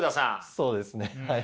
そうですねはい。